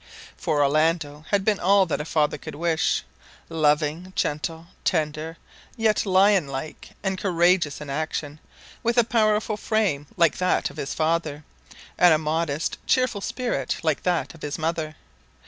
For Orlando had been all that a father could wish; loving, gentle, tender, yet lion like and courageous in action, with a powerful frame like that of his father, and a modest, cheerful spirit like that of his mother.